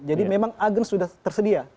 jadi memang agen sudah tersedia